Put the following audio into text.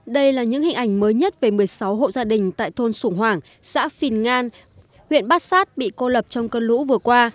đây là những hình ảnh mới nhất về một mươi sáu hộ gia đình tại thôn sủng hoảng xã phìn ngan huyện bát sát bị cô lập trong cơn lũ vừa qua